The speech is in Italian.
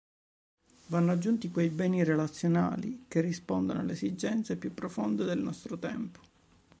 Vanno aggiunti quei "beni relazionali" che rispondono alle esigenze più profonde del nostro tempo.